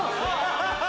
ハハハ！